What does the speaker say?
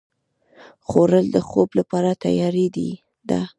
خوړل د خوب لپاره تیاري ده